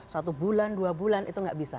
satu bulan dua bulan itu nggak bisa